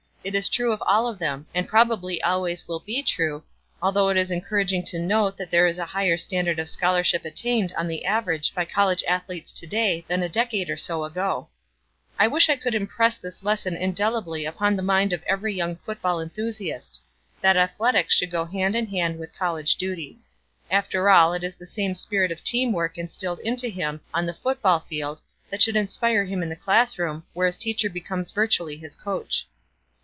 It is true of all of them and probably always will be true, although it is encouraging to note that there is a higher standard of scholarship attained on the average by college athletes to day than a decade or so ago. I wish I could impress this lesson indelibly upon the mind of every young football enthusiast that athletics should go hand in hand with college duties. After all it is the same spirit of team work instilled into him on the football field that should inspire him in the classroom, where his teacher becomes virtually his coach.